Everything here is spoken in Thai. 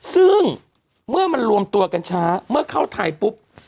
ซึ่งเมื่อมันรวมตัวกันช้าเมื่อเข้าไทยปุ๊บ